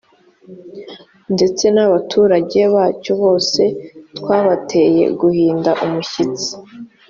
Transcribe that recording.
ndetse n’abaturage bacyo bose twabateye guhinda umushyitsi.